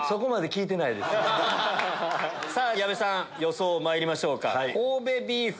矢部さん予想まいりましょうか。